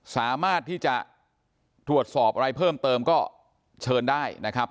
สามารถที่จะตรวจสอบอะไรเพิ่มเติมก็เชิญได้นะครับ